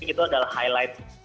itu adalah highlight